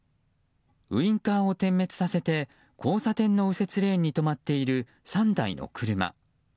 ウィンカーを点滅させて交差点の右折レーンに止まっている３台の車。